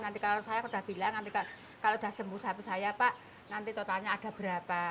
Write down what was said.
nanti kalau saya sudah bilang nanti kalau sudah sembuh sapi saya pak nanti totalnya ada berapa